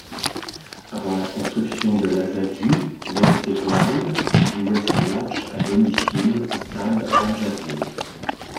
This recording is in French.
Avant la construction de l'Azadi, l'Esteghlal jouait ses matchs à domicile au Stade Amjadieh.